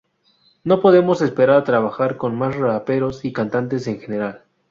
No podemos esperar a trabajar con más raperos y cantantes en general".